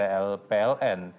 dan juga untuk penyelidikan